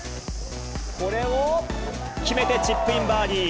これを決めてチップインバーディー。